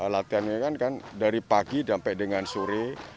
latihan ini kan dari pagi sampai dengan sore